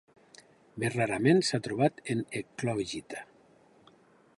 Més rarament s'ha trobat en eclogita.